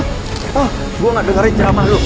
wah gue gak dengerin ceramah lu